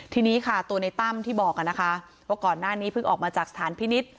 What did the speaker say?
ทีนี้ค่ะตัวในตั้มที่บอกนะคะว่าก่อนหน้านี้เพิ่งออกมาจากสถานพินิษฐ์